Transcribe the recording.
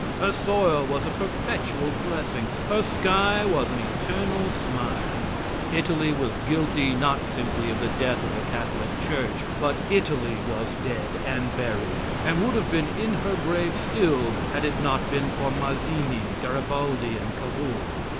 Her soil was a perpetual blessing, her sky was an eternal smile. Italy was guilty not simply of the death of the Catholic church, but Italy was dead and buried and would have been in her grave still had it not been for Mazzini, Garibaldi, and Cavour.